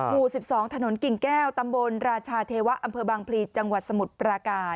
หมู่๑๒ถนนกิ่งแก้วตำบลราชาเทวะอำเภอบางพลีจังหวัดสมุทรปราการ